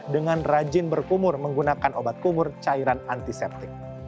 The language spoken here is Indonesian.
dengan rajin berkumur menggunakan obat kumur cairan antiseptik